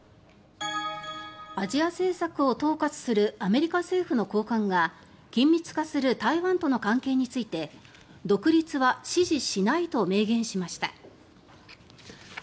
アジア政策を統括するアメリカ政府の高官が緊密化する台湾との関係について独立は支持しないと明言しました。